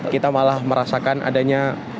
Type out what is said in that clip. kita malah merasakan adanya